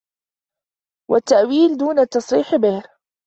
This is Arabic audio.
وَالتَّأْوِيلِ دُونَ التَّصْرِيحِ بِهِ